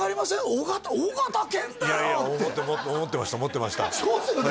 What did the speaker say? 緒形「緒形拳だよ！」って思ってました思ってましたそうですよね